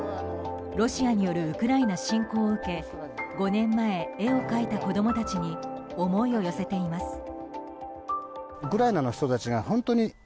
ロシアによるウクライナ侵攻を受け５年前、絵を描いた子供たちに思いを寄せています。